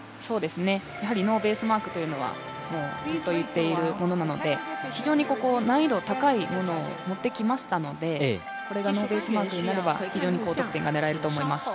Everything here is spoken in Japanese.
やはりノーベースマークというのはずっと言っているものなので非常にここ、難易度高いものを持ってきましたのでこれがノーベースマークになれば非常に高得点が狙えると思います。